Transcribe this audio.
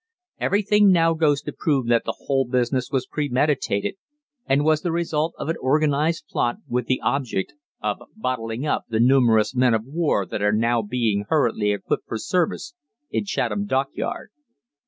Everything now goes to prove that the whole business was premeditated and was the result of an organised plot with the object of 'bottling up' the numerous men of war that are now being hurriedly equipped for service in Chatham Dockyard.